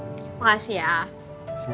kok gak sih ya